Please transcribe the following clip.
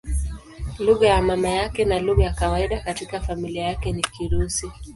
Lugha ya mama yake na lugha ya kawaida katika familia yake ni Kirusi.